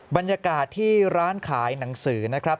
บรรยากาศที่ร้านขายหนังสือนะครับ